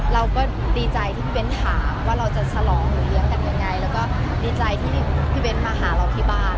เราก็ดีใจที่พี่เบ้นถามว่าเราจะฉลองหรือเลี้ยงกันยังไงแล้วก็ดีใจที่พี่เบ้นมาหาเราที่บ้าน